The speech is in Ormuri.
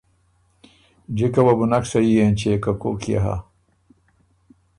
جِکه وه بُو نک سهي اېنچيېک که کوک يې هۀ